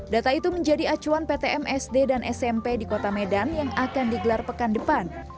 data itu menjadi acuan ptmsd dan smp di kota medan yang akan digelar pekan depan